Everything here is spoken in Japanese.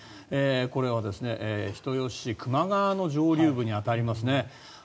これは人吉市、球磨川の上流部に当たりますね。